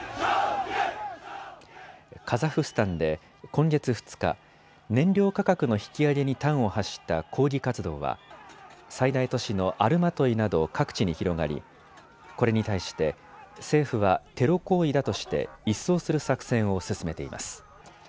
カザフスタンで今月２日、燃料価格の引き上げに端を発した抗議活動は最大都市のアルマトイなど各地に広がり、これに対して政府はテロ行為だとして一掃する作戦を進めています。